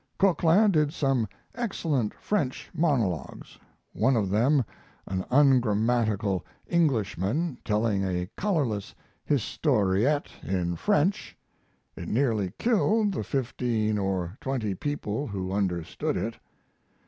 Coquelin did some excellent French monologues one of them an ungrammatical Englishman telling a colorless historiette in French. It nearly killed the fifteen or twenty people who understood it.